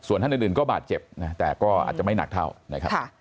ท่านอื่นก็บาดเจ็บนะแต่ก็อาจจะไม่หนักเท่านะครับ